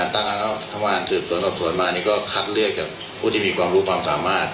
ตั้งแต่ว่าส่วนต่อส่วนมานี่ก็คัดเลือกกับผู้ที่มีความรู้ความสามารถ